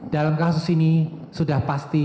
dalam kasus ini sudah pasti